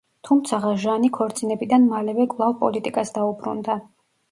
თუმცაღა ჟანი ქორწინებიდან მალევე კვლავ პოლიტიკას დაუბრუნდა.